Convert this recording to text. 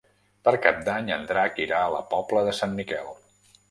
Per Cap d'Any en Drac irà a la Pobla de Sant Miquel.